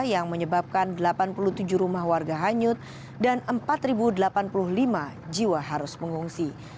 yang menyebabkan delapan puluh tujuh rumah warga hanyut dan empat delapan puluh lima jiwa harus mengungsi